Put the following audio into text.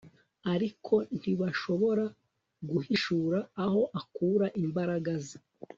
ariko ntibashobora guhishura aho akura imbaraga ze